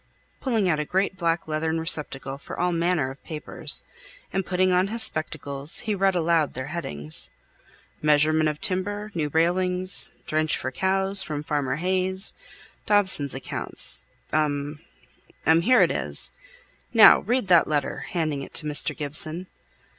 pulling out a great black leathern receptacle for all manner of papers. And putting on his spectacles, he read aloud their headings. "'Measurement of timber, new railings,' 'drench for cows, from Farmer Hayes,' 'Dobson's accounts,' 'um 'um here it is. Now read that letter," handing it to Mr. Gibson.